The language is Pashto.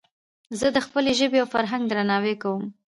زه د خپلي ژبي او فرهنګ درناوی کوم.